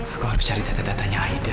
aku harus cari data datanya aida